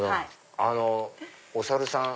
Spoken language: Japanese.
あのお猿さん